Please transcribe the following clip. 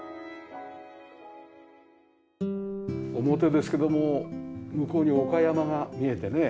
表ですけども向こうに丘山が見えてね。